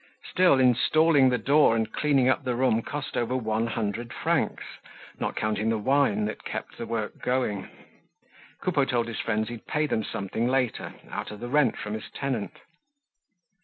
Still, installing the door and cleaning up the room cost over one hundred francs, not counting the wine that kept the work going. Coupeau told his friends he'd pay them something later, out of the rent from his tenant.